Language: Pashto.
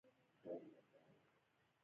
خپله فرد پکې کوم رول ندی لرلای.